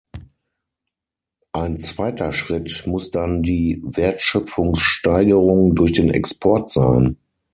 Ein zweiter Schritt muss dann die Wertschöpfungssteigerung durch den Export sein.